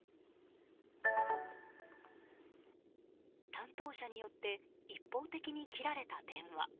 担当者によって一方的に切られた電話。